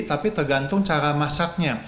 tapi tergantung cara masaknya